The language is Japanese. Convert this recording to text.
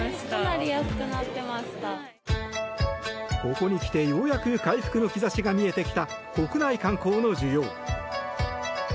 ここにきて、ようやく回復の兆しが見えてきた国内観光の需要。